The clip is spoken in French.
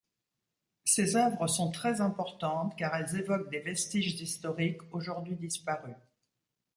Ces œuvres sont très importantes car elles évoquent des vestiges historiques aujourd'hui disparus.